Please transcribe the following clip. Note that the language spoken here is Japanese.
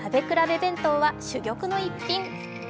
弁当は珠玉の逸品。